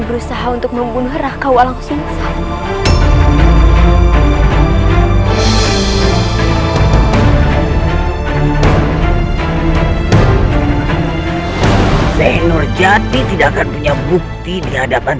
berusaha untuk membunuh raka walang sengsara senur jati tidak akan punya bukti di hadapan